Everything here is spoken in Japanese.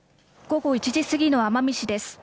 午後１時過ぎの奄美市です。